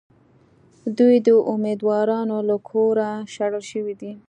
دوی د اُمیدوارانو له کوره شړل شوي دي.